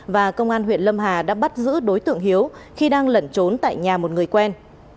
và công an huyện lâm hà đã bắt giữ đối tượng hiếu khi đang lẩn trốn tại nhà một người quen